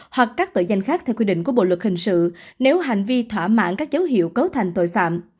hoặc các tội danh khác theo quy định của bộ luật hình sự nếu hành vi thỏa mãn các dấu hiệu cấu thành tội phạm